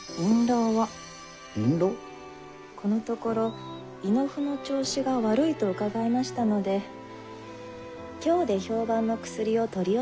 このところ胃の腑の調子が悪いと伺いましたので京で評判の薬を取り寄せました。